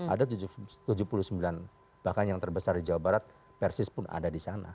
ada tujuh puluh sembilan bahkan yang terbesar di jawa barat persis pun ada di sana